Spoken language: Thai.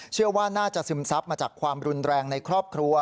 เชื่อว่าน่าจะซึมซับมาจากความรุนแรงในครอบครัว